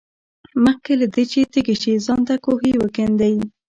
مخکې له دې چې تږي شې ځان ته کوهی وکیندئ.